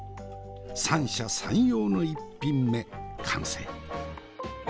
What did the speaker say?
三者三様の一品目完成。